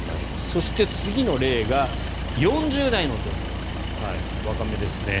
そして、次の例が４０代の女性、若めですね。